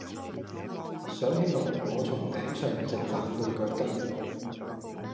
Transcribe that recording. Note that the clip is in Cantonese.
想起來，我從頂上直冷到腳跟。